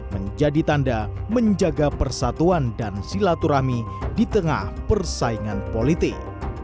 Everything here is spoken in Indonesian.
menjadi tanda menjaga persatuan dan silaturahmi di tengah persaingan politik